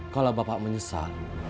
kalau bapak menyesal